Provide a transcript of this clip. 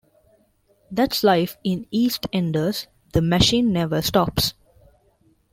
That's life in "EastEnders"; the machine never stops.